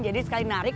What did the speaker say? jadi sekali narik